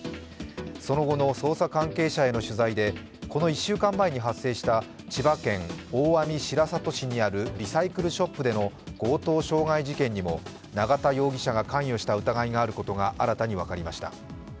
その後の捜査関係者への取材でこの１週間前に発生した千葉県大網白里市にあるリサイクルショップでの強盗傷害事件にも永田容疑者が関与した疑いがあることが新たに分かりました。